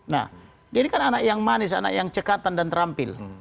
nah dia ini kan anak yang manis anak yang cekatan dan terampil